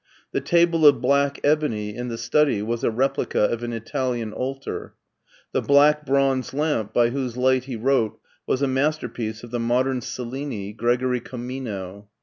The table of black ebony in the study was a replica of an Italian altar. The black bronze lamp by whose light he wrote was a masterpiece of the modem Cellini, Gregory Comino.